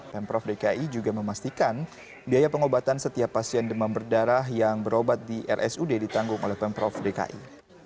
pemprov dki juga memastikan biaya pengobatan setiap pasien demam berdarah yang berobat di rsud ditanggung oleh pemprov dki